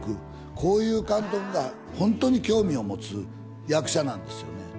こういう監督がホントに興味を持つ役者なんですよね